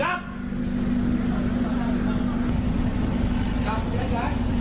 กลับย้าย